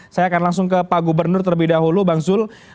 saya akan langsung ke pak gubernur terlebih dahulu bang zul